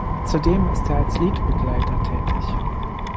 Zudem ist er als Liedbegleiter tätig.